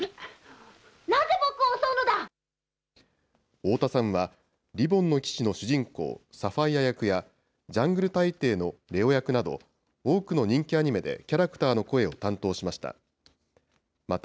太田さんは、リボンの騎士の主人公、サファイア役や、ジャングル大帝のレオ役など、多くの人気アニメでキャラクターの声を担当しました。